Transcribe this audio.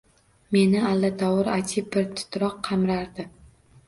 Meni allatovur ajib bir titroq qamrardi